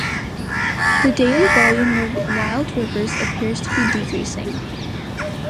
The daily volume of wild rivers appears to be decreasing.